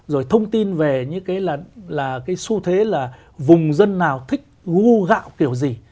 rồi thông tin về những cái là cái xu thế là vùng dân nào thích gu gạo kiểu gì